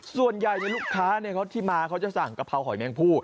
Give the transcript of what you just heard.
ส่วนใหญ่ลูกค้าที่มาเขาจะสั่งกะเพราหอยแมงผู้